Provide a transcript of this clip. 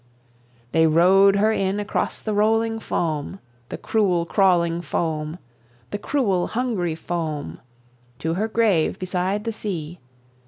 They rowed her in across the rolling foam, The cruel crawling foam, The cruel hungry foam, To her grave beside the sea.